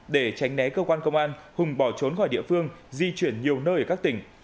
để tránh né cơ quan công an hùng bỏ trốn khỏi địa phương di chuyển nhiều nơi ở các tỉnh